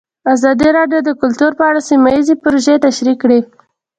ازادي راډیو د کلتور په اړه سیمه ییزې پروژې تشریح کړې.